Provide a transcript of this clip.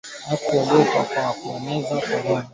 baada ya kuondolewa kwa masharti ya usafiri